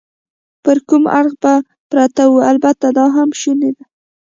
پر کوم اړخ به پرته وه؟ البته دا هم شونې وه.